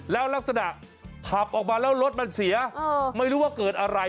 แล้วลักษณะขับออกมาแล้วรถมันเสียไม่รู้ว่าเกิดอะไร